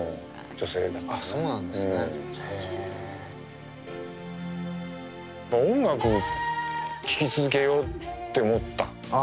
やっぱ音楽聴き続けようって思った。